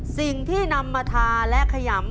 สิ่งที่นำมาทาและขยำ